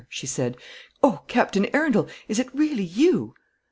she said; "O Captain Arundel, is it really you?"